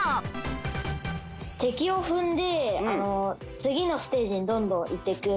敵を踏んで次のステージにどんどん行っていくみたいな。